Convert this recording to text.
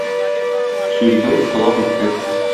Сүз бер, колак ике.